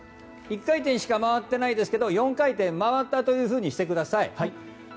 １回転しか回ってないですけど４回転回ったというふうにしてください。